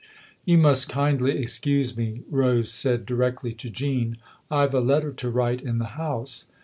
" You must kindly excuse me," Rose said directly to Jean. " I've a letter to write in the house.